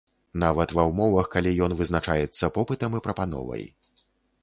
Нават ва ўмовах, калі ён вызначаецца попытам і прапановай.